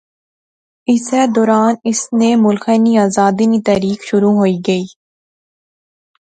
اسے دوران اس نے ملخے نی آزادی نی تحریک شروع ہوئی گئی